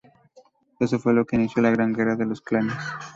Eso fue lo que inició la Gran Guerra de los Clanes.